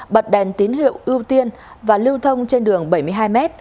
bật đèn tín hiệu ưu tiên và lưu thông trên đường bảy mươi hai m